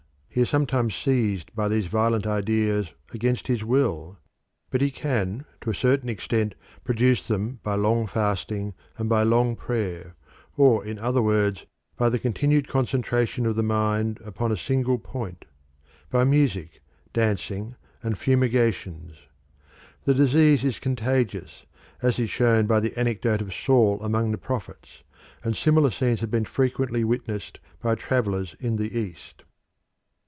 He is sometimes seized by these violent ideas against his will. But he can to a certain extent produce them by long fasting and by long prayer, or in other words by the continued concentration of the mind upon a single point; by music, dancing, and fumigations. The disease is contagious, as is shown by the anecdote of Saul among the prophets, and similar scenes have been frequently witnessed by travellers in the East.